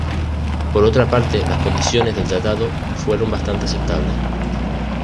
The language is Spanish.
Por otra parte, las condiciones del tratado fueron bastante aceptables.